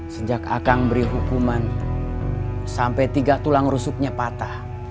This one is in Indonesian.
sejak akang beri hukuman sampai tiga tulang rusuknya patah